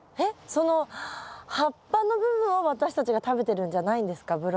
えっその葉っぱの部分を私たちが食べてるんじゃないんですか？